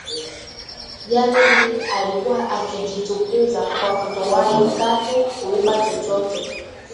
Jared alikuwa akijitukuza kwa kutowahi katu kuiba chochote